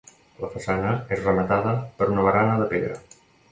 La façana és rematada per una barana de pedra.